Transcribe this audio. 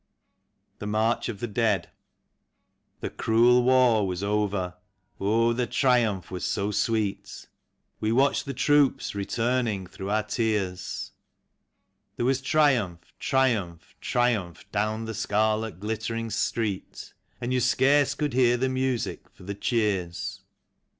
62 THE MAECH OF THE DEAD. The cruel war was over — oh, the triunipli was so sweet ! We watelied the troops returning, through our tears ; There was triumph, triumph, triumph down the scarlet glittering street, And you scarce could hear the music for the .cheers.